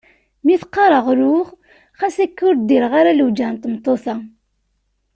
Mi t-qqareɣ ruɣ ɣas akka ur d-ddireɣ ara lewjeɛ n tmeṭṭut-a.